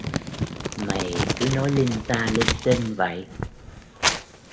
Mày cứ nói linh ta linh tinh vậy